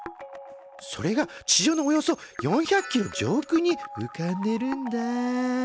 それが地上のおよそ４００ｋｍ上空にうかんでるんだ。